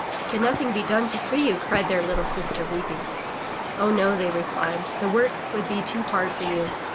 '' "Can nothing be done to free you?" cried their sister weeping. "Oh, no!'* they replied. "The work would be too hard for you.